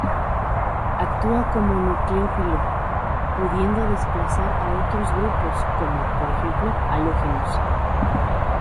Actúa como nucleófilo pudiendo desplazar a otros grupos como, por ejemplo, halógenos.